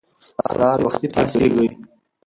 سهار وختي پاڅیږئ.